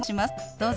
どうぞ。